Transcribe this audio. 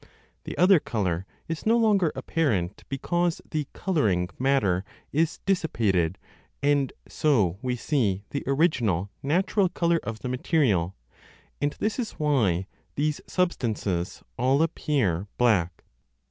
2 The other colour is no longer apparent because 30 the colouring matter is dissipated, and so we see the original natural colour of the material, and this is why these sub stances all appear black.